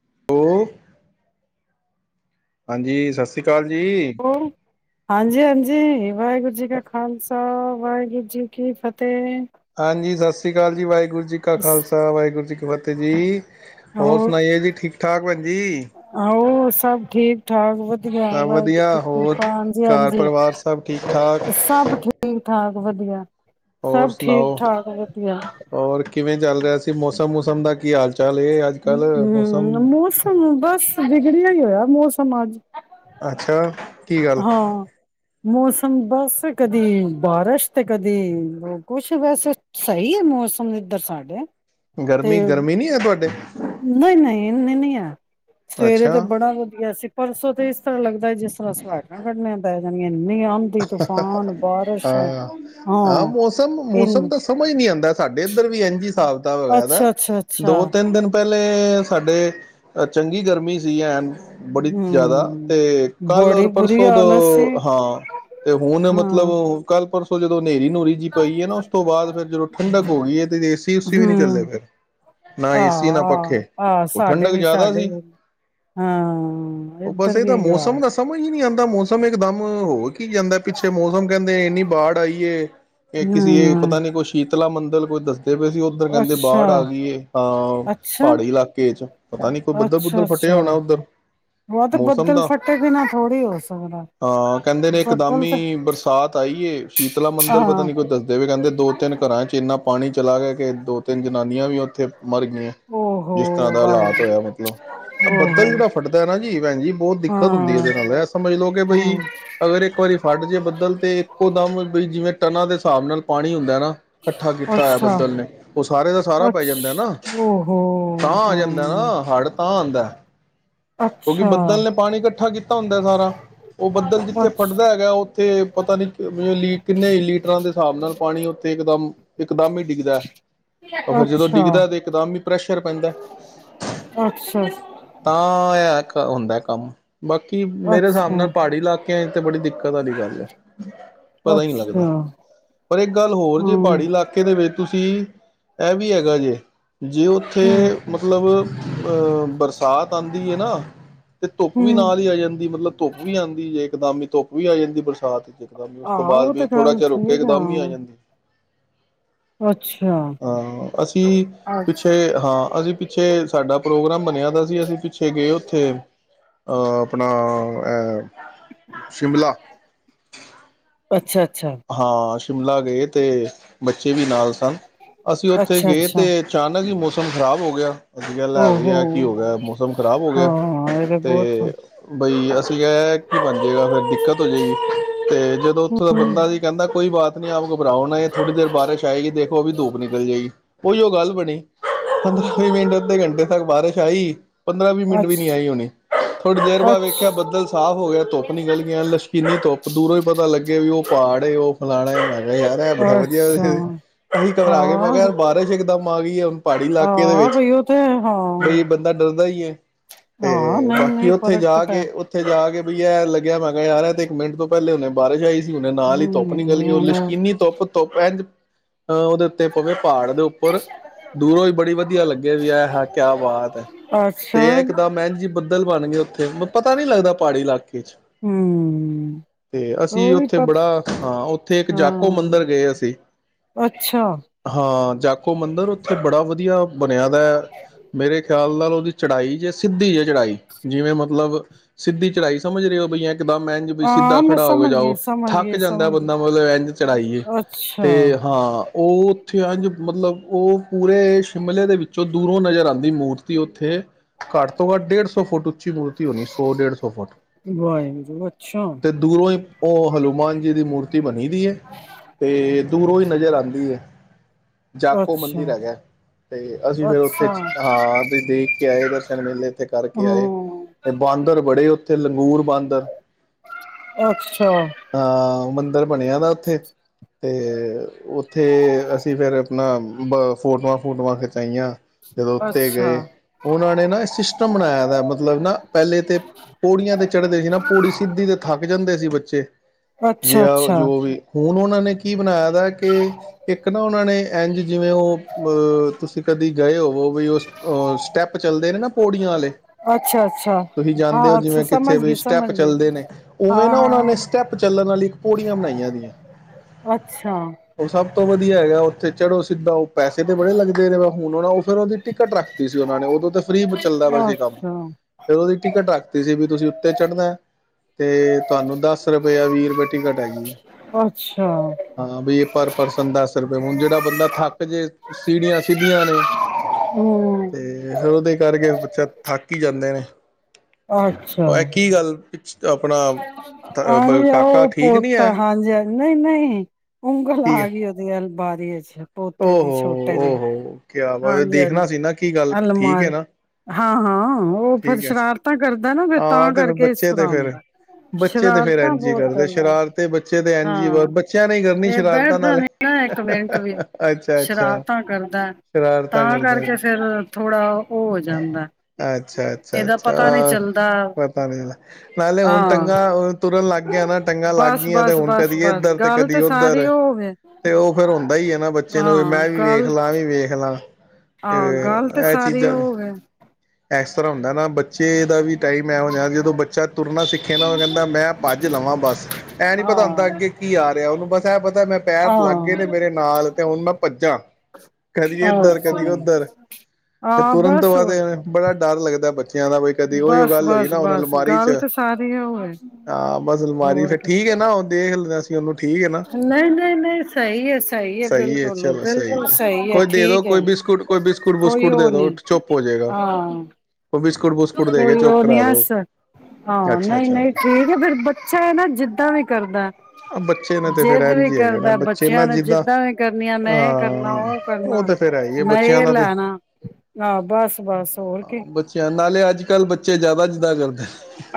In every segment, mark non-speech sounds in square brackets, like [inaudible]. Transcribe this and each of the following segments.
[unintelligible] ਹਾਂਜੀ ਸਤਿ ਸ਼੍ਰੀ ਅਕਾਲ ਜੀ ਹਾਂਜੀ ਹਾਂਜੀ ਜੇ ਵਾਹਿਗੁਰੂ ਜੀ ਕਾ ਖਾਲਸਾ ਵਾਹਿਗੁਰੂ ਜੀ ਕੀ ਫਤਿਹ ਹਾਂਜੀ ਸਤਿ ਸ੍ਰੀ ਅਕਾਲ ਜੀ ਵਾਹਿਗੁਰ ਗੁਰ ਜੀ ਕਾ ਖਾਲਸਾ ਵਾਹਿਗੁਰੂ ਜੀ ਕੀ ਭਵਤ ਜੀ [unintelligible] ਹੋਰ ਸੁਣਾਈਏ ਜੀ ਠੀਕ ਠਾਕ ਭੈਣ ਜੀ ਆਹੋ ਸਭ ਠੀਕ ਠਾਕ ਵ ਸਭ ਵਧੀਆ ਹੋਰ ਘਰ ਹਾਂਜੀ ਪਰਿਵਾਰ ਸਭ ਠੀਕ ਠਾਕ ਸਭ ਠੀਕ ਠਾਕ ਵਧੀਆ ਹੋਰ ਸਭ ਠੀਕ ਸੁਣਾਓ ਠਾਕ ਵਧੀਆ ਹੋਰ ਕਿਵੇਂ ਚੱਲ ਰਿਹਾ ਸੀ ਮੌਸਮ ਮੂਸਮ ਦਾ ਕੀ ਹਾਲ ਚਾਲ ਹੈ ਅੱਜ ਕੱਲ੍ਹ ਮੌਸਮ ਹਮ ਮੌਸਮ ਬਸ ਵਿਗੜਿਆ ਹੀ ਹੋਇਐਂ ਮੌਸਮ ਸਮਾਜ ਅੱਛਾ ਕੀ ਗੱਲ ਹਾਂ ਮੌਸ ਬਸ ਕਦੀ ਬਾਰਿਸ਼ ਤੇ ਕਦੀ ਕੁਛ ਬਸ ਸਹੀ ਐ ਮੌਸਮ ਇੱਧਰ ਸਾਡੇ ਤੇ ਗਰਮੀ ਗਰਮੀ ਨੀ ਹੈ ਤੁਹਾਡੇ ਨਹੀਂ ਨਹੀਂ ਏਨੀਂ ਨੀ ਹੈ ਸਵੇਰੇ ਤੇ ਅੱਛਾ ਬੜਾ ਵਧੀਆ ਸੀ ਪਰਸੋਂ ਤੇ ਇਸ ਤਰ੍ਹਾਂ ਲੱਗਦਾ ਜਿਸ ਤਰ੍ਹਾਂ [unintelligible] ਦਾ ਏ [unintelligible] ਹਾਂ ਹਾਂ ਮੌਸਮ ਮੌਸਮ ਇਨ ਤਾਂ ਸਮਝ ਨਹੀਂ ਆਉਂਦਾ ਸਾਡੇ ਇੱਧਰ ਵੀ ਇਝ ਹਿਸਾਬਤਾਬ ਹੋਆ ਦੈ ਅੱਛਾ ਅੱਛਾ ਅੱਛਾ ਦੋ ਤਿੰਨ ਦਿਨ ਪਹਿਲਾਂ ਪਹਿਲੇ ਸਾਡੇ ਚੰਗੀ ਗਰਮੀ ਸੀ ਐਨ ਬੜੀ ਜ਼ਿਆਦਾ ਹਮ ਤੇ ਕੱਲ੍ਹ ਬੜੀ ਔਰ ਬੁਰੀ ਪਰਸੋਂ ਹਾਲਤ ਸੀ ਤੋਂ ਹਾਂ ਤੇ ਹੁਣ ਮਤਲਬ ਹਾਂ ਉਹ ਕੱਲ ਪਰਸੋਂ [unintelligible] ਹਨੇਰੀ ਨੂਰੀ ਜਿਹੀ ਪਈ ਹੈ ਨਾ, ਉਸ ਤੋਂ ਬਾਅਦ ਫਿਰ ਜਦੋਂ ਠੰਡਕ ਹੋ ਗਈ ਹੈ ਤੇ ਏਸੀ ਉਸੀ ਵੀ ਨਹੀਂ ਚੱਲੇ ਹਮ ਫਿਰ ਨਾ ਏਸੀ ਨਾ ਪੱਖੇ ਆਹ ਆਹ ਉਹ ਸਾਡੇ ਠੰਡਕ ਵੀ ਜ਼ਿਆਦਾ ਸਾਡੇ ਸੀ ਵੀ ਹਾਂ ਉਹ ਬਸ ਇੱਧਰ ਇਹ ਵੀ ਤਾਂ ਇਹੀ ਹਾਲ ਮੌਸਮ ਦਾ ਸਮਝ ਹੀ ਨਹੀਂ ਆਉਂਦਾ ਦਾ ਮੌਸਮ ਇਕਦਮ ਹੋ ਗਿਆ। ਕੀ ਜਾਂਦਾ ਪਿੱਛੇ ਮੌਸਮ ਕਹਿੰਦੇ ਇੰਨੀ ਬਾੜ ਆਈ ਏ, ਇਹ ਕਿਸੇ ਹਮ ਪਤਾ ਨੀ ਕੋਈ ਸ਼ੀਤਲਾ ਮੰਦਰ ਹੋਰ ਦੱਸੋ ਕਹਿੰਦੇ ਪਈ ਸੀ, ਉੱਧਰ ਕਹਿੰਦੇ ਅੱਛਾ ਬਾੜ ਆ ਗਈ ਏ ਹਾਂ ਅੱਛਾ ਪਹਾੜੀ ਇਲਾਕੇ ਚ ਪਤਾ ਨੀ ਕੋਈ ਬੱਦਲ ਅੱਛਾ ਬੁੱਦਲ ਫਟਿਆ -ਅੱਛਾ ਹੋਣਾ ਉੱਧਰ ਉਹ ਤੇ ਮੌਸਮ ਬੱਦਲ ਦਾ ਫਟੇ ਬਿਨਾਂ ਥੋੜੀ ਹੋ ਸਕਦਾ ਬ ਸ਼ਾਮੀ ਬਰਸਾਤ ਆਈ ਏ, ਸ਼ੀਤਲਾ ਮੰਦਿਰ ਪਤਾ ਹਾਂ ਨੀ ਕੋਈ ਦੱਸਦੇ ਵੀ ਕਹਿੰਦੇ ਦੋ, ਤਿੰਨ ਘਰਾਂ ਚ ਇੰਨਾ ਪਾਣੀ ਚਲਾ ਗਿਆ ਕਿ ਦੋ ਤਿੰਨ ਜਾਨੀਆਂ ਵੀ ਉੱਥੇ ਮਰ ਗਈਆਂ ਓਹੋ ਜਿਸ ਤਰ੍ਹਾਂ ਦਾ ਹਾਲਾਤ ਵਾਹਿਗੁਰੂ ਹੋਇਆ ਮਤਲਬ ਬੱਦਲ ਹਾਂ ਜਿਹੜਾ ਫਟਦਾ ਨਾ ਜੀ ਭੈਣ ਜੀ, ਬਹੁਤ ਦਿੱਕਤ ਹੁੰਦੀ ਹੈ ਹਾਂ ਇਹਦੇ ਨਾਲ ਇਹ ਸਮਝ ਲਓ ਕਿ ਬਈ ਅਗਰ ਇੱਕ ਵਾਰੀ ਫਟ ਜੇ ਬੱਦਲ ਤੇ ਇੱਕੋ ਦਮ ਬਈ ਜਿਵੇਂ ਟਨਾਂ ਦੇ ਹਿਸਾਬ ਨਾਲ ਪਾਣੀ ਹੁੰਦਾ ਇਕੱਠਾ ਕੀਤਾ ਹੈ ਅੱਛਾ ਬੱਦਲ ਨੇ ਉਹ ਸਾਰੇ ਦਾ ਸਾਰਾ ਪੈ ਅੱਛ ਜਾਂਦਾ ਨਾ ਓਹੋ ਤਾਂ ਆ ਜਾਂਦਾ ਹਾਂ ਨਾ ਹੜ ਤਾਂ ਆਉਂਦਾ। ਕਿਉਂਕਿ ਅੱਛਾ ਬੱਦਲ ਨੇ ਪਾਣੀ ਇਕੱਠਾ ਕੀਤਾ ਹੁੰਦਾ ਸਾਰਾ ਉਹ ਬੱਦਲ ਜਿੱਥੇ ਅੱਛ ਫਟਦਾ ਹੈਗਾ, ਓਥੇ ਪਤਾ ਨਹੀ ਕਿੰਨੇ ਲੀਟਰਾਂ ਦੇ ਹਿਸਾਬ ਨਾਲ ਪਾਣੀ ਉੱਥੇ ਇੱਕਦਮ ਇਕਦਮ ਹੀ ਡਿੱਗਦਾ ਉਹ ਫਿਰ ਜਦੋਂ ਅੱਛਾ ਡਿੱਗਦਾ ਤਾਂ ਇਕਦਮ ਹੀ ਪ੍ਰੈਸ਼ਰ ਪੈਂਦਾ। ਅੱਛਾ ਆ ਇਹ ਹੁੰਦਾ ਕੰਮ ਬਾਕੀ ਮੇਰੇ ਹਿਸਾਬ ਅੱਛਾ ਨਾਲ ਪਹਾੜੀ ਇਲਾਕੇ ਤੇ ਬੜੀ ਦਿੱਕਤ ਵਾਲੀ ਗੱਲ ਹੈ। ਪਤਾ ਹੀ ਨਹੀਂ ਅੱਛਾ ਲੱਗਦਾ, ਪਰ ਇੱਕ ਗੱਲ ਹੋਰ ਜੇ ਹਮ ਪਹਾੜੀ ਇਲਾਕੇ ਦੇ ਵਿੱਚ ਤੁਸੀਂ ਇਹ ਵੀ ਹੈਗਾ ਜੇ ਜੇ ਹਮ ਉੱਥੇ ਮਤਲਬ ਬਰਸਾਤ ਆਉਂਦੀ ਹੈ ਨਾ ਤੇ ਧੁੱਪ ਵੀ ਹਮ ਨਾਲ ਹੀ ਆ ਜਾਂਦੀ, ਮਤਲਬ ਧੁੱਪ ਵੀ ਆਉਂਦੀ ਜੇ। ਇਕਦਮ ਧੁੱਪ ਵੀ ਆ ਜਾਂਦੀ ਬਰਸਾਤ ਚ ਇਕਦਮ ਉਸ ਤੋਂ ਆਹ ਬਾਅਦ ਉਹ ਵੀ ਤੇ ਥੋੜ੍ਹਾ ਗੱਲ ਚਿਰ ਰੁਕ ਕੇ ਠੀਕ ਇਕਦਮ ਹੀ ਆ ਜਾਂਦੀ। ਅੱਛਾ ਹਾਂ ਅਸੀਂ ਅੱਛਾ ਪਿੱਛੇ ਹਾਂ, ਅਸੀਂ ਪਿੱਛੇ ਸਾਡਾ ਪ੍ਰੋਗਰਾਮ ਬਨਿਆ ਦਾ ਸੀ ਅਸੀਂ ਉੱਥੇ ਗਏ ਉੱਥੇ ਆਪਣਾ ਸ਼ਿਮਲਾ ਅੱਛਾ। ਹਾਂ। ਸ਼ਿਮਲਾ ਗਏ ਤੇ ਬੱਚੇ ਵੀ ਨਾਲ ਸ ਅਸੀਂ ਉੱਥੇ ਅੱਛਾ ਗਏ ਅੱਛਾ ਤੇ ਅਚਾਨਕ ਹੀ ਮੌਸ ਇਹ ਤੇ ਖ਼ਰਾਬ ਹੋ ਗਿਆ। ਅਸੀਂ ਕਿਹਾ ਲੈ ਵਈ ਓਹੋ ਐ ਕੀ ਹੋ ਗਿਆ? ਮੌਸਮ ਖਰਾਬ ਹੋ ਗਿਆ ਹਾਂ ਇਹ ਬਹੁਤ ਤੇ ਬਈ ਅਸੀਂ ਕਿਹਾ ਏਹ ਕੀ ਬਣ ਜਾਏਗਾ ਫਿਰ ਦਿੱਕਤ ਜਾਈ ਤੇ ਜਦੋਂ ਉੱਥੋਂ ਦਾ ਹਮ ਬੰਦਾ ਸੀ ਕਹਿੰਦਾ ਕੋਈ ਬਾਤ ਨੀ ਆਪ ਕੋ ਭਰਾਓ ਨਾ ਏਹ ਥੋੜੀ ਦੇਰ ਬਾਰਿਸ਼ ਆਏਗੀ ਦੇਖੋ ਅਬੀ ਧੂਪ ਨਿਕਲ ਜਾਏਗੀ। ਓਹੀਓ ਗੱਲ ਬਣੀ ਪੰਦਰਾਂ ਵੀਹ ਮਿੰਟ ਅੱਧੇ ਘੰਟੇ ਤੱਕ ਬਾਰਿਸ਼ ਆਈ ਪੰਦਰਾਂ ਵੀਹ ਮਿੰਟ ਵੀ ਅੱਛ ਨੀ ਆਈ ਹੋਣੀ ਥੋੜ੍ਹੀ ਦੇਰ ਬਾਅਦ ਅੱਛ ਵੇਖਿਆ ਬੱਦਲ ਸਾਫ਼ ਹੋ ਗਿਆ ਧੁੱਪ ਨਿਕਲ ਗ ਲਸ਼ਕੀਨੀ ਧੁੱਪ ਦੂਰੋਂ ਹੀ ਪਤਾ ਲੱਗੇ ਵੀ ਉਹ ਪਹਾੜ ਤੇ ਉਹ ਫਲਾਣਾ ਹੈਗੇ ਯਾਰ ਏਹ ਬੜਾ ਵਧੀਆ ਅੱਛਾ ਅਸੀਂ ਘਬਰਾ ਕੇ ਮੈਂ ਕਿਹਾ ਹਾਂ ਏਹ ਬਾਰਿਸ਼ ਇੱਕਦਮ ਮਾ ਆ ਗਈ ਆ ਹੁਣ। ਪਹਾੜੀ ਇਲਾਕੇ ਦੇ ਆਹ ਵਿੱਚ ਬਈ ਉਹ ਤੇ ਹਾਂ ਬਈ ਬੰਦਾ ਡਰਦਾ ਈ ਐ ਹਾਂ ਤੇ ਨਹੀਂ ਬਾਕੀ ਨਹੀਂ ਉੱਥੇ ਫ਼ਰਕ ਤਾਂ ਜਾ ਪੈ ਕੇ ਉੱਥੇ ਜਾ ਕੇ ਵੀ ਐ ਲੱਗਿਆ ਮੈ ਕਿਆ ਯਾਰ ਐ ਤੇ ਇੱਕ ਮਿੰਟ ਤੋਂ ਪਹਿਲੇ ਹੁਣੇ ਬਾਰਿਸ਼ ਆਈ ਸੀ। ਹੁਣੇ ਨਾਲ ਈ ਆਪਣੀ ਗੱਲ ਕਿ ਉਹ ਹਮ ਲਸ਼ਕੀਨੀ ਧੁੱਪ ਧੁੱਪ ਐ ਪੈਂਜ ਅ ਉਹਦੇ ਉੱਤੇ ਪਵੇ ਪਹਾੜ ਦੇ ਉੱਪਰ ਦੂਰੋਂ ਈ ਬੜੀ ਵਧੀਆ ਲੱਗੇ ਵੀ ਐ ਹੈ ਕਿਆ ਬਾਤ ਐ ਅੱਛਾ ਤੇ ਇਹ ਇੱਕਦਮ ਇੰਜ ਈ ਬੱਦਲ ਬਣ ਗਏ ਉੱਥੇ ਤੇ ਮ ਪਤਾ ਨੀ ਲੱਗਦਾ ਪਹਾੜੀ ਇਲਾ ਹਮ ਤੇ ਅਸੀਂ ਉਹੀ ਉੱਥੇ ਪ ਬੜਾ ਹਾਂ, ਉੱਥੇ ਇੱਕ ਹਾਂ ਜਾਕੋ ਮੰਦਿਰ ਗਏ ਅਸੀਂ ਅੱਛਾ ਹਾਂ, ਜਾਕੋ ਮੰਦਿਰ ਉੱਥੇ ਬੜਾ ਵਧੀਆ ਬਣਿਆ ਦਾ ਮੇਰੇ ਖਿਆ ਨਾਲ-ਨਾਲ ਉਹਦੀ ਚੜਾਈ ਜੇ ਸਿੱਧੀ ਜੇ ਚੜਾਈ ਜਿਵੇਂ ਮਤਲਬ ਸਿੱਧੀ ਚੜ੍ਹਾਈ ਸਮਝ ਰਹੇ ਹੋ ਬਈ ਏਜ ਕਿਦਾ ਮੈ ਇੰਜ ਵੀ ਸਿੱਧਾ ਹਾਂ ਮੈਂ ਖੜਾ ਹੋ ਕੇ ਸਮਝ ਗਈ ਜਾਓ ਸਮਝ ਥੱਕ ਗਈ ਜਿੰਦਾ ਸਮਝ ਗਈ ਬੰਦਾ ਮਤਲਬ ਇੰਝ ਚੜਾਈਏ ਤੇ ਅੱਛਾ ਹਾਂ ਓਅ ਉੱਥੇ ਅੰਝ ਮਤਲਬ ਉਹ ਪੂਰੇ ਸ਼ਿਮਲੇ ਦੇ ਵਿੱਚੋਂ ਦੂਰੋਂ ਨਜ਼ਰ ਆਉਂਦੀ ਮੂਰਤੀ ਉੱਥੇ ਘੱਟ ਤੋਂ ਘੱਟ ਡੇਢ ਸੌ ਫੁੱਟ ਉੱਚੀ ਮੂਰਤੀ ਹੋਣੀ ਸੌ ਡੇਢ ਸੌ ਫੁੱਟ ਵਾਹਿਗੁਰੂ ਅੱਛਾ ਤੇ ਦੂਰੋ ਹੀ ਉਹ ਹਨੂੰਮਾਨ ਦੀ ਮੂਰਤੀ ਬਣੀ ਦੀ ਐ ਤੇ ਦੂਰੋਂ ਈ ਨਜ਼ਰ ਆਂਦੀ ਕੀ ਐ ਜਾਕੋ ਮੰਦਿਰ ਅੱਛਾ ਹੈਗਾ ਤੇ ਅਸੀ ਫੇਰ ਉੱਥੇ, ਅੱਛਾ ਹਾਂ, ਦੇਖ ਕੇ ਆਏ ਦਰਸ਼ਨ ਮੇਲੇ ਥ ਕਰਕੇ ਆਏ ਹਮ ਤੇ ਬਾਂਦਰ ਬੜੇ ਤੇ ਲੰਗੂਰ ਬਾਂਦਰ ਅੱਛਾ ਹੈ ਆਉ ਮੰਦਿਰ ਬਣਿਆ ਦਾ ਉੱਥੇ ਤੇ ਉੱਥੇ ਅਸੀਂ ਫਿਰ ਆਪਣਾ ਬ ਫੋਟਆਂ ਫੋਟੋਆਂ ਖਿਚਾਈਆਂ ਜਦੋਂ ਉੱਤੇ ਅੱਛਾ ਗਏ ਉਹਨਾਂ ਨੇ ਨਾ ਸਿਸਟਮ ਬਣਾਇਆ ਦ ਤਲਬ ਨਾ ਪਹਿਲੇ ਤੇ ਪੌੜੀਆਂ ਤੇ ਚੜ੍ਹਦੇ ਸੀ ਨਾ ਪੌੜੀ ਸਿੱਧੀ ਤੇ ਥੱ ਜਾਂਦੇ ਸੀ ਬੱਚੇ ਅੱਛਾ ਜੇ ਅੱਛਾ ਆਉ ਜੋ ਅੱਛਾ ਵੀ ਹੁਣ ਉਹਨਾਂ ਨੇ ਕੀ ਬਣਾਇਆ ਕਿ ਇੱਕ ਇੱਕ ਨਾ ਉਹਨਾਂ ਨੇ ਇੰਝ ਜਿਵੇਂ ਉਹ ਤੁਸੀਂ ਕਦੀ ਗਏ ਹੋਵੋ ਵੀ ਉਹ ਸਟੈਪ ਚੱਲਦੇ ਨੇ ਨਾ ਪੌੜੀਆਂ ਵਾਲੇ ਅੱਛਾ ਤੁਸੀਂ ਹਾਂ ਜਾਣਦੇ ਹੋ ਅੱਛਾ ਜਿਵੇਂ ਸਮਝ ਕਿੱਥੇ ਵੀ ਗਈ ਸਟੈਪ ਸਮਝ ਗਈ ਚੱਲਦੇ ਨੇ ਹਾਂ ਉਵੇਂ ਨਾ ਉਹਨਾਂ ਨੇ ਹਾਂ ਸਟੈਪ ਚੱਲਣ ਵਾਲੀ ਇੱਕ ਪੌੜੀਆਂ ਬਣਾਈਆਂ ਦੀਆਂ ਅੱਛਾ ਉਹ ਸਭ ਤੋਂ ਵਧੀਆ ਹੈਗਾ ਉੱਥੇ ਚੜੋ ਸਿੱਧਾ ਪੈਸੇ ਤੇ ਬੜੇ ਲੱਗਦੇ ਨੇਹੇ ਵ ਹੁਣ ਉਹ ਉਹ ਫੇਿਰ ਉਹਦੀ ਟਿਕਟ ਰੱਖਤੀ ਸੀ ਉਹਨਾਂ ਨੇ ਉਦੋਂ ਤੇ ਫ੍ਰਰੀ ਚੱਲਦਾ ਪਾ ਸੀ ਕੰਮ ਅੱਛਾ ਫੇਰ ਉਹਦੀ ਟਿਕਟ ਰੱਖਤੀ ਸੀ ਬੀ ਤੁਸੀਂ ਤੇ ਚੜ੍ਹਨਾ ਤੇ ਤੁਹਾਨੂੰ ਦ ਵੀਰ ਰੁਪਏ ਟਿਕਟ ਆਗੀ ਅੱਛਾ ਹਾਂ ਪਰ ਪਰਸਨ ਦਸ ਹੁਣ ਜਿਹੜਾ ਬੰਦਾ ਥੱਕ ਜੇ ਸੀੜੀਆਂ ਸਿੱਧੀਆਂ ਨੇ ਹਮ ਤੇ ਫਿਰ ਉਹਦੇ ਕਰਕੇ ਬੱਚਾ ਥੱਕ ਹੀ ਜਾਂਦੇ ਨੇ ਅੱਛਾ ਉਹ ਇਹ ਕੀ ਗੱਲ ਆਪਣਾ ਆਹ ਕਾਕਾ ਉਹ ਠੀਕ ਨੀ ਪੋਤ ਹੈ ਹਾਂਜੀ ਨਹੀਂ ਨਹੀਂ ਉਂਗਲ ਠੀਕ ਆ ਹੈ ਗਈ ਉਹਦੀ ਐਲਬ ਪਾ ਰੀ ਅੱਛਾ ਪੋਤੇ ਦੀ ਓਹੋ ਛੋਟੇ ਦੀ ਓਹੋ ਕਿਆ ਵਾ ਹਾਂਜੀ ਦੇਖਣਾ ਹਾਂਜੀ ਸੀ ਨਾ ਕੀ ਗੱਲ ਠੀਕ ਅਲਮਾਰੀ ਨਾ ਹਾਂ ਹਾਂ ਉਹ ਫਿਰ ਠੀਕ ਹੈ ਸ਼ਰਾਰਤਾਂ ਕਰਦਾ ਨਾ ਫਿਰ ਹਾਂ ਤਾਂ ਤੇ ਫ ਕਰਕੇ ਇਸ ਬੱਚੇ ਤੇ ਤਰ੍ਹਾਂ ਫਿਰ ਹੁੰਦਾ ਬੱਚੇ ਤੇ ਫਿਰ ਸ਼ਰਾਰਤਾਂ ਐਨ ਜੀ ਬਹੁਤ ਕਰਦੇ ਕਰਦਾ ਸ਼ਰਾਰਤੇ ਬੱਚੇ ਤੇ ਐਨ ਜੀ ਹਾਂ ਬੱਚਿਆਂ ਨੇ ਕਰਨੀ ਇਹ ਸ਼ਰਾਰਤਾਂ ਬੈਠਦਾ ਨਾਲ ਨੀ ਨਾ ਇੱਕ ਮਿੰਟ ਵੀ ਅੱਛਾ ਅੱਛਾ ਸ਼ਰਾਰਤਾਂ ਕਰਦਾ ਸ਼ਰਾਰ ਤਾਂ ਕਰਕੇ ਫਿਰ ਥੋੜਾ ਹੋ ਜਾਂਦਾ ਅੱਛਾ ਅੱਛਾ ਇਹਦਾ ਅੱਛਾ ਪਤਾ ਨਹੀਂ ਚੱਲਦਾ ਪਤਾ ਨੀ ਨਾਲੇ ਹੁਣ ਹਾਂ ਟੰਗਾਂ ਤੁਰਨ ਲੱਗ ਗਿਆ ਨਾ ਟੰਗਾਂ ਲੱਗ ਬਸ ਗਈਆਂ ਤੇ ਬਸ ਹੁਣ ਬਸ ਕਦੀ ਬਸ ਇੱਧਰ ਤੇ ਗੱਲ ਕਦੀ ਸਾਰੀ ਉੱਧਰ ਉਹ ਹੋਵੇ ਤੇ ਉਹ ਫੇਰ ਹੁੰਦਾ ਹੀ ਹੈ ਨਾ ਬੱਚੇ ਨੂੰ ਵੀ ਮੈਂ ਵੀ ਵੇਖ ਲਾਂ ਵੀ ਵੇਖ ਲਾਂ ਤੇ ਆਾਂ ਗੱਲ ਤੇ ਇਹ ਸਾਰੀ ਚੀਜ਼ਾਂ ਹੋ ਇਸ ਤਰ੍ਹਾਂ ਹੁੰਦਾ ਨਾ ਬੱਚੇ ਦਾ ਵੀ ਟਾਈਮ ਇਹੋ ਜਾਹਾ ਜਦੋਂ ਬੱਚਾ ਤੁਰਨਾ ਸਿੱਖਿਆ ਨਾ ਉਹ ਕਹਿੰਦਾ ਮੈਂ ਭੱਜ ਲਵਾਂ ਬਸ ਐਂ ਨਹੀਂ ਪਤਾ ਹੁੰਦਾ ਹਾਂ ਅੱਗੇ ਕੀ ਆ ਰਿਹਾ ਉਹਨੂੰ ਬਸ ਐ ਪਤਾ ਮੈਂ ਪੈਰ ਲੱਗ ਗਏ ਨੇ ਮੇਰੇ ਨਾਲ ਅਤੇ ਹੁਣ ਮੈਂ ਭੱਜਾਂ ਕਦੀ ਇੱਧਰ ਅੱਛਾ ਕਦੀ ਉੱਧਰ ਤੇ ਹਾਂ ਤੁਰੰਤ ਬਸ ਬਾਅਦ ਹੋਰ ਬੜਾ ਡਰ ਲੱਗਦਾ ਬੱਚਾ ਬਸ ਬਸ ਬਸ ਚ ਗਲਤ ਸਾਰੀ ਉਹ ਹੈ ਹਾਂ ਬਸ ਅਲਮਾਰੀ ਹੋਰ ਫਿਰ ਠੀਕ ਹੈ ਨਾ ਉਹ ਦੇਖ ਲੈਣਾ ਸੀ ਉਹਨੂੰ ਠੀਕ ਹੈ ਨਾ ਨਹੀਂ ਨਹੀਂ ਨਹੀਂ ਸਹੀ ਹੈ ਸਹੀ ਹੈ ਬਿਲਕੁਲ ਚਲੋ ਬਿਲਕੁਲ ਸਹੀ ਹੈ ਕੋਈ ਦੇ ਦੋ ਠੀਕ ਹੈ ਕੋਈ ਬਿਸਕੁਟ ਕੋਈ ਬਿਸਕੁਟ ਕੋਈ ਬੁਸਕੁਟ ਦੇ ਉਹ ਨੀ ਦੋ ਚੁੱਪ ਹੋ ਜਾਏਗਾ ਹਾਂ ਉਹ ਬਿਸਕੁਟ ਬੁਸਕੁਟ ਦੇ ਕੇ ਕੋਈ ਚੁੱਪ ਉਹ ਨੀ ਕਰਾ ਦੋ ਹਹ ਅੱਛਾ ਨਹੀਂ ਅੱਛਾ ਨਹੀਂ ਠੀਕ ਹੈ ਫੇਰ ਬੱਚਾ ਹੈ ਨਾ ਜਿੱਦਾਂ ਵੀ ਕਰਦਾ ਬੱਚੇ ਨੇ ਤੇ ਫੇਰ ਜਿੱਦ ਵੀ ਇੰਝ ਹੀ ਹੈਗੇ ਨਾ ਕਰਦਾ ਬੱਚੇ ਨਾ ਬੱਚਿਆਂ ਨੇ ਜਿੱਦਾਂ ਜਿਦਾਂ ਵੀ ਕਰਨੀਆਂ ਮੈਂ ਇਹ ਕਰਨਾ ਹਾਂ ਉਹ ਕਰਨਾ ਤੇ ਫੇਰ ਹੈ ਹੀ ਹੈ ਮੈਂ ਬੱਚਿਆਂ ਇਹ ਦਾ ਤੇ ਲੈਣਾ ਆਹ ਬਸ ਬਸ ਹੋਰ ਕੀ ਬੱਚਿਆਂ ਨੂੰ ਅਗਲੇ ਅੱਜ ਕੱਲ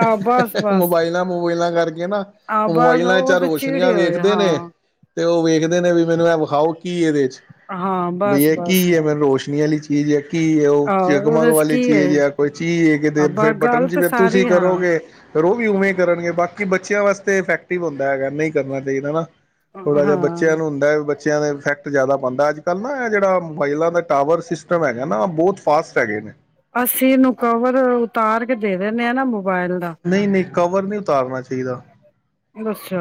ਆਹ ਬਸ ਬਸ ਮੋਬਾਈਲਾਂ ਮੋਬਾਈਲਾਂ ਕਰਕੇ ਨਾ ਆਹ ਬਸ ਮੋਬਾਈਲਾਂ ਉਹ ਚਾਰ ਤੇ ਰੋਸ਼ਨੀ ਆ ਚੀੜੇ ਹੋਏ ਵੇਖਦੇ ਨੇ ਹਾਂ ਤੇ ਉਹ ਵੇਖਦੇ ਨੇ ਵੀ ਮੈਨੂੰ ਮੈਂ ਵਿਖਾਓ ਕੀ ਇਹਦੇ ਚ ਹਾਂ ਬਈ ਬਸ ਇਹ ਕੀ ਬਸ ਹ ਬਸ ਮੈਨੂੰ ਰੋਸ਼ਨੀ ਵਾਲੀ [unintelligible] [unintelligible] ਆਹੋ ਉਹਦੇ ਚ ਕੋਈ ਕੀ ਹੈ ਚੀਜ਼ ਹ ਕਿਤੇ ਅਬਾ ਕੋਈ ਬਟਨ ਗੱਲ ਤੇ ਜਿਵੇਂ ਤੁਸੀਂ ਸਾਰੀ ਹਾਂ ਕਰੋਗੇ ਉਵੇਂ ਕਰਨਗੇ ਬਾਕੀ ਬੱਚਿਆਂ ਵਾਸਤੇ ਫੈਕਟਿਵ ਹੁੰਦਾ ਹੈਗਾ ਨਹੀਂ ਕਰਨਾ ਚਾਹੀਦਾ ਨਾ ਥੋੜਾ ਜਿਹਾ ਬੱਚਿਆਂ ਹਾਂ ਨੂੰ ਹੁੰਦਾ ਬੱਚਿਆਂ ਦਾ ਇਫੈਕਟ ਜ਼ਿਆਦਾ ਪਾਉਂਦਾ ਅੱਜ ਕੱਲ੍ਹ ਨਾ ਇਹ ਜਿਹੜਾ ਮੋਬਾਈਲਾਂ ਦਾ ਟਾਵਰ ਸਿਸਟਮ ਹੈਗਾ ਨਾ ਬਹੁਤ ਫਾਸਟ ਹੈਗੇ ਨੇ ਅਸੀਂ ਇਹਨੂੰ ਕਵਰ ਉਤਾਰ ਕੇ ਦੇ ਦਿੰਨੇ ਹ ਨਾ ਮੋਬਾਇਲ ਦਾ ਨਹੀਂ ਨਹੀਂ ਕਵਰ ਨਹੀਂ ਉਤਾਰਨਾ ਚਾਹੀਦਾ ਅੱਛਾ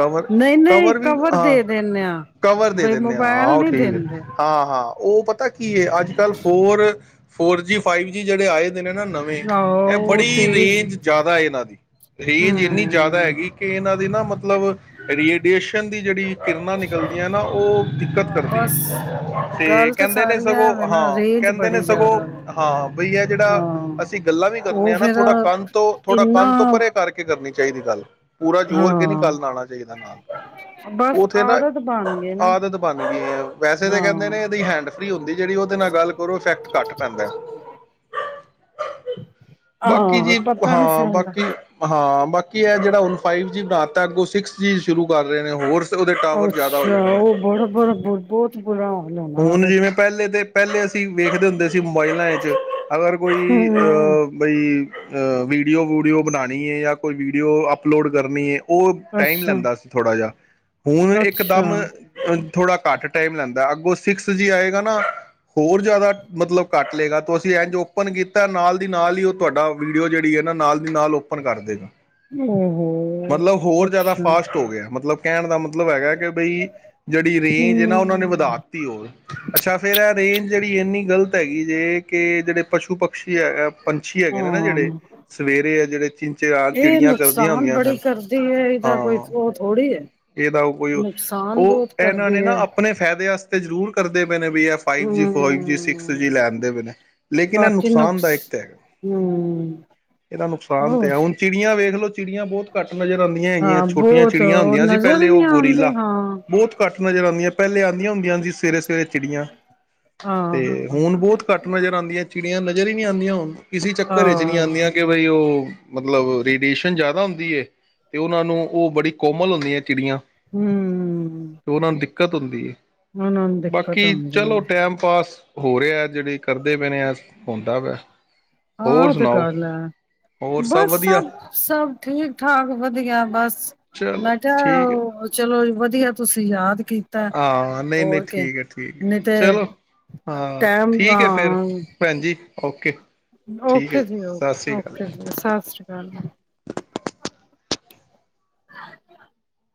ਕਵਰ ਨਹੀਂ ਨਹੀਂ ਕਵਰ ਵੀ ਹਾਂ ਦੇ ਦਿੰਦੇ ਆ ਕਵਰ ਦੇ ਬਈ ਦਿੰਨਦੇ ਮੋਬਾਇਲ ਉਹ ਨਹੀਂ ਠੀਕ ਦਿੰਦੇ ਹੈ ਹਾਂ ਹਾਂ ਉਹ ਪਤਾ ਕੀ ਕੀ ਅੱਜ ਕੱਲ੍ਹ four four G five G ਜਿਹੜੇ ਆਏ ਨੇ ਨਾ ਨਵੇਂ ਆਹੋ ਇਹ ਉਹ ਬੜੀ ਤੇਜ਼ ਰੇਂਜ ਜ਼ਿਆਦਾ ਇਹਨਾਂ ਦੀ ਰੇਂਜ ਇੰਨੀ ਜ਼ਿਆਦਾ ਹੂੰ। ਹੈਗੀ ਕਿ ਇਹਨਾਂ ਦੀ [unintelligible] ਰੀਏਡੀਏਸ਼ਨ ਦੀ ਕਿਰਨਾਂ ਨਿਕਲਦੀਆਂ ਨਾ ਉਹ ਦਿੱਕਤ ਹਾਂ ਕਰਦੀ ਬਸ ਹੈ ਤੇ ਗੱਲ ਕਹਿੰਦੇ ਨੇ ਸਾਰੀ ਸਗੋਂ ਐਵੇ ਨਾ ਹਾਂ ਰੇਂਜ ਕਹਿੰਦੇ ਨੇ ਬੜੀ ਸਗੋਂ ਜ਼ਿਆਦਾ ਵੇ। ਹਾਂ ਬਈ ਇਹ ਜਿਹੜਾ ਹਾਂ ਅਸੀਂ ਗੱਲਾਂ ਵੀ ਕਰਨੇ ਉਹ ਆ ਨਾ ਫੇਰ ਥੋੜਾ ਕੰਧ ਤੋਂ ਥੋੜਾ ਇੰਨਾ ਕੰਧ ਤੋਂ ਭਰੇ ਕਰਕੇ ਕਰਨੀ ਚਾਹੀਦੀ ਗੱਲ ਪੂਰਾ ਜ਼ੋਰ ਕੇ ਨੀ [unintelligible] ਹਾਂ ਆਉਣਾ ਚਾਹੀਦਾ ਨਾਲ ਬਸ ਉੱਥੇ ਨਾ ਆਦਤ ਬਣ ਗਏ ਨਾ ਆਦਤ ਬਣ ਗਈ ਐ ਵੈਸੇ ਤਾਂ ਕਹਿੰਦੇ ਹਾਂ। ਨੇ ਇਹਦੀ ਹੈਂਡ ਉਹੀ ਹੁੰਦੀ ਜਿਹੜੀ ਉਹਦੇ ਨਾਲ ਗੱਲ ਕਰੋ ਇਫੈਕਟ ਘੱਟ ਪੈਂਦਾ। ਬਾਕੀ ਆਹੋ ਜੀ ਪਤਾ ਨੀ ਹਾਂ ਚੱਲਦਾ ਬਾਕੀ ਹਾਂ ਬਾਕੀ ਇਹ ਜਿਹੜਾ ਉਹਨ ਫਾਈਵ ਜੀ [unintelligible] ਤੱਕ ਉਹ ਸਿਕਸ ਜੀ ਸ਼ੁਰੂ ਕਰ ਰਹੇ ਨੇ ਹੋਰ, ਉਹਦੇ ਟਾਵਰ ਜ਼ਿਆਦਾ ਹੋ ਅੱਛਾ ਜਾਣੇ ਨੇ ਉਹ ਬੜਾ ਬੜਾ ਬਹੁਤ ਬੜਾ, ਹੁਣ ਜਿਵੇਂ ਪਹਿਲੇ ਦੇ, ਪਹਿਲੇ ਅਸੀਂ ਵੇਖਦੇ ਹੁੰਦੇ, ਅ ਮੋਬਾਈਲਾਂ ਚ ਅਗਰ ਕੋਈ ਆ ਹੂੰ ਬਈ, ਅ ਵੀਡੀਓ ਵੂਡੀਓ ਬਣਾਉਣੀ ਐ, ਜਾਂ ਕੋਈ ਵੀਡੀਓ ਅਪਲੋਡ ਕਰਨੀ ਐ। ਉਹ ਟਾਈਮ ਅੱਛਾ। ਲੈਂਦਾ ਸੀ ਥੋੜ੍ਹਾ ਜਿਹਾ, ਹੁਣ ਅੱਛਾ ਇਕਦਮ ਅ, ਥੋੜਾ ਘੱਟ ਟਾਈਮ ਲੈਂਦਾ ਅੱਗੋਂ, ਸਿਕਸ ਜੀ ਆਏਗਾ ਨਾ ਹੋਰ ਜ਼ਿਆਦਾ ਮਤਲਬ ਕੱਟ ਲਏਗਾ, ਤਾਂ ਅਸੀਂ ਇੰਝ ਓਪਨ ਕੀਤਾ ਨਾਲ ਦੀ ਨਾਲ ਹੀ ਉਹ ਤੁਹਾਡਾ ਵੀਡੀਓ ਜਿਹੜੀ ਐ ਨਾ ਨਾਲ ਦੀ ਨਾਲ ਓਪਨ ਕਰ ਦੇਗਾ। ਓਹੋ ਮਤਲਬ ਹੋਰ ਜ਼ਿਆਦਾ ਅੱਛਾ ਫਾਸਟ ਹੋ ਗਿਆ ਮਤਲਬ, ਕਹਿਣ ਦਾ ਮ ਮਤਲਬ ਹੈਗਾ ਕਿ ਬਈ ਜਿਹੜੀ ਰੇਂਜ ਹੈ, ਨਾ ਉਹਨਾਂ ਨੇ ਹੂੰ। ਵਧਾ ਅੱਛਾ ਫੇਰ ਇਹ ਰੇਂਜ ਜਿਹੜੀ ਇੰਨੀ ਗ਼ਲਤ ਹੈਗੀ ਜੇ ਕਿ ਜਿਹੜੇ ਪਸ਼ੂ ਪਕਸ਼ੀ ਹੈਗਾ। ਪੰਛੀ ਹੈਗੇ ਨੇ ਨਾ ਜਿਹੜੇ ਹਾਂ ਸਵੇਰੇ ਆ ਜਿਹੜੇ [unintelligible] ਇਹ ਚਿੜੀਆਂ ਕਰਦੀਆਂ ਨੁਕਸਾਨ ਹੁੰਦੀਆਂ ਬੜੀ ਸਨ ਕਰਦੀ ਹੈ ਇਹਦਾ ਕੋਈ ਹਾਂ ਉਹ ਥੋੜ੍ਹੀ ਹੈ। ਇਹਦਾ ਉਹ ਕੋਈ ਨੁਕਸਾਨ ਉਹ ਬਹੁਤ ਇਹਨਾਂ ਨੇ ਕਰਦੀ ਨਾ ਹੈ ਆਪਣੇ ਫਾਇਦੇ ਵਾਸਤੇ, ਤੇ ਜ਼ਰੂਰ ਕਰਦੇ। ਵੀ ਇਹ five G five G six G ਹਮ ਲੈਣ ਦੇ ਬਨੇ ਲੇਕਿਨ ਇਹ ਬਾਕੀ ਨੁਕਸ ਨੁਕਸਾਨਦਾਇਕ ਤਾਂ ਹੈਗਾ ਹਮ ਇਹਦਾ ਨੁਕਸਾਨ ਤਾਂ ਉਹ ਐ ਹੁਣ ਚਿੜੀਆਂ ਵੇਖ ਲਓ ਚਿੜੀਆਂ ਬਹੁਤ ਘੱਟ ਨਜ਼ਰ ਆਉਂਦੀਆਂ ਹੈਗੀਆਂ ਹਾਂ ਛੋਟੀਆਂ ਬਹੁਤ ਚਿੜੀਆਂ ਉਹ ਹੁੰਦੀਆਂ ਸੀ, ਨਜ਼ਰ ਪਹਿਲੇ ਉਹ ਨਹੀਂ ਆਉਂਦੇ ਗੋਰੀਲਾ ਹਾਂ ਬਹੁਤ ਘੱਟ ਨਜ਼ਰ ਆਦੀਆਂ। ਪਹਿਲੇ ਆਂਦੀਆਂ ਹੁੰਦੀਆਂ, [unintelligible] ਫੇਰ ਚਿੜੀਆਂ ਤੇ ਹਾਂ ਹੁਣ ਬਹੁਤ ਘੱਟ ਨਜ਼ਰ ਆਉਂਦੀਆਂ ਚਿੜੀਆਂ, [unintelligible] ਆਦੀਆ ਹੁਣ, ਇਸੀ ਚੱਕਰ ਵਿੱਚ ਨਹੀਂ ਹਾਂ ਆਦੀਆਂ ਕਿ ਬਈ ਉਹ, ਮਤਲਬ ਰੇਡੀਏਸ਼ਨ ਜਿਆਦਾ ਹੁੰਦੀ ਹੈ, ਤੇ ਉਹਨਾਂ ਨੂੰ ਉਹ ਬੜੀ ਕੋਮਲ ਹੁੰਦੀ ਹੈ। ਚਿੜੀਆਂ ਹਮ ਤੇ ਉਹਨਾਂ ਨੂੰ ਦਿ ਦਿੱਕਤ ਹੁੰਦੀ ਏ, ਉਹਨਾਂ ਨੂੰ ਦਿੱਕਤ ਬਾਕੀ ਹੁੰਦੀ ਹੈ ਚਲੋ ਟੈਮ ਪਾਸ, ਹੋ ਰਿਹਾ ਜਿਹੜੇ ਕਰਦੇ ਪਏ ਨੇ ਆ ਹੁੰਦਾ ਪਿਆ, ਆਾਂ ਤੇ ਗੱਲ ਹੋਰ ਹੈ ਬਸ ਵਧੀਆ ਸਭ ਸਭ ਠੀਕ ਠਾਕ ਵਧੀਆ ਬਸ ਚਲੋ ਮੈਂ ਠੀਕ ਹੈ ਕਿਹਾ ਚਲੋ ਵਧੀਆ ਤੁਸੀਂ ਯਾਦ ਕੀਤਾ ਹਾਂ ਨਹੀਂ ਨਹੀਂ ਹੋਰ ਕੇ ਠੀਕ ਹੈ ਠੀਕ ਨਹੀਂ ਤੇ ਚਲੋ ਹਾਂ ਟੈਮ ਠੀਕ ਹੈ ਫਿਰ ਹਾਂ ਭੈਣ ਜ ਓਕੇ ਠੀਕ ਹੈ ਓਕੇ ਜੀ ਸਤਿ ਓਕੇ ਸ਼੍ਰੀ ਅਕਾਲ ਓਕੇ ਜੀ ਸਤਿ ਸ੍ਰੀ ਅਕਾਲ [unintelligible]